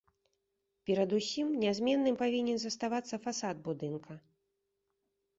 Перадусім, нязменным павінен заставацца фасад будынка.